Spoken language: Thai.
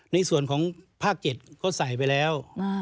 ในส่วนของภาค๗ก็ใส่ไปแล้ว